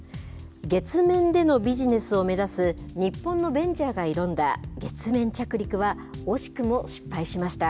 月面でのビジネスを目指す日本のベンチャーが挑んだ月面着陸は、惜しくも失敗しました。